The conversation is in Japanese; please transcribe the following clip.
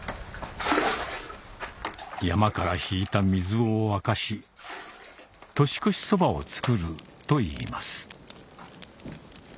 山から引いた水を沸かし年越しそばを作るといいます